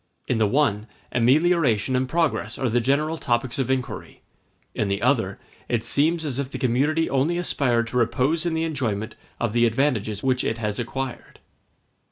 In the one, amelioration and progress are the general topics of inquiry; in the other, it seems as if the community only aspired to repose in the enjoyment of the advantages which it has acquired.